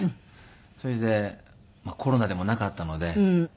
それでまあコロナでもなかったので。